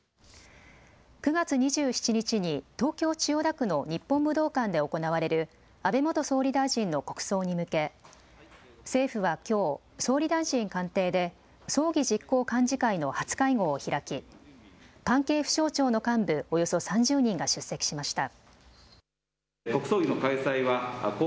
９月２７日に東京千代田区の日本武道館で行われる安倍元総理大臣の国葬に向け政府はきょう総理大臣官邸で葬儀実行幹事会の初会合を開き関係府省庁の幹部およそ３０人が出席しました。